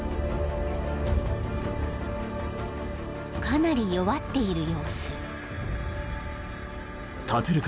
［かなり弱っている様子］